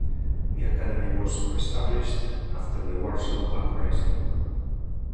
The Academy was reestablished after the Warsaw Uprising.